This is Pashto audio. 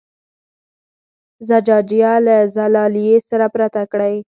زجاجیه له زلالیې سره پرتله کړئ.